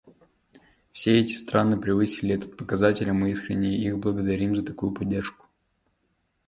Все эти страны превысили этот показатель, и мы искренне их благодарим за такую поддержку.